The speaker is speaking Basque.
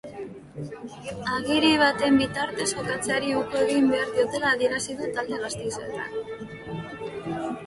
Agiri baten bitartez jokatzeari uko egin behar diotela adierazi du talde gasteiztarrak.